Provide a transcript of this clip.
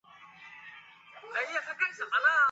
解开长久的羁绊